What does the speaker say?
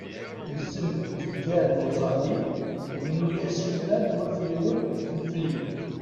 Gzem tgeggar n uẓalim, rnu-as kra n wafriwen n felyu.